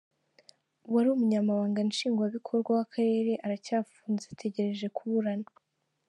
Uwari Umunyamabanga Nshingwabikorwa w’Akarere aracyafunze ategereje kuburana.